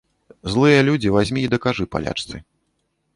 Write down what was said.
Злыя людзі вазьмі і дакажы палячцы.